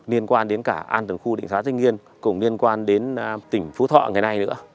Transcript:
liên quan đến cả an tầng khu định thái thanh yên cũng liên quan đến tỉnh phú thọ ngày nay nữa